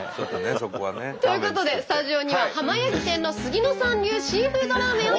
そこはね。ということでスタジオには浜焼き店の杉野さん流シーフードラーメンを用意しました。